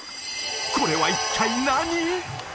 これは一体何！？